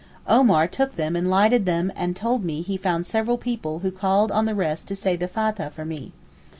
Omar took them and lighted them up and told me he found several people who called on the rest to say the Fathah for me.